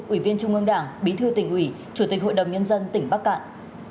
ủy viên trung ương đảng bí thư tỉnh ủy chủ tịch hội đồng nhân dân tỉnh bắc cạn